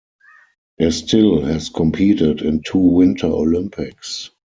Estil has competed in two Winter Olympics.